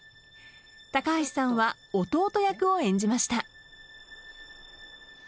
［橋さんは弟役を演じました］